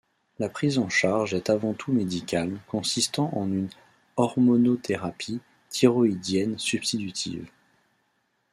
La prise en charge est avant tout médicale, consistant en une hormonothérapie thyroïdienne substitutive.